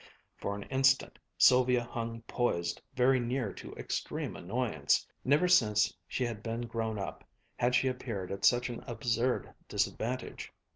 For an instant Sylvia hung poised very near to extreme annoyance. Never since she had been grown up, had she appeared at such an absurd disadvantage.